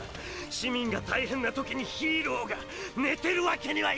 市民が大変な時にヒーローが寝てるわけにはいかないわよ！！